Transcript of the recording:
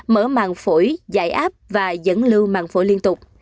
mở mạng phổi giải áp và dẫn lưu mạng phổi liên tục